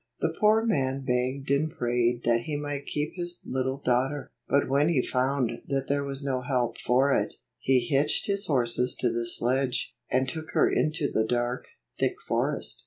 The poor man begged and prayed that he might keep his little daughter. But when he found that there was no help for it, he hitched his horses to the sledge, and took her into the dark, thick forest.